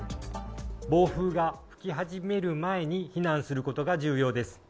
暴風が吹き始める前に避難することが重要です。